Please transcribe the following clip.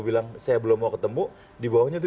bilang saya belum mau ketemu dibawahnya itu